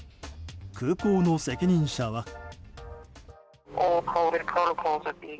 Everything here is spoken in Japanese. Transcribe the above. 空港の責任者は。